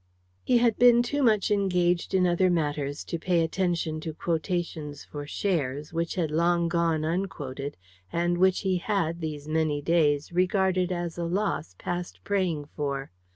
He had been too much engaged in other matters to pay attention to quotations for shares, which had long gone unquoted, and which he had, these many days, regarded as a loss past praying for.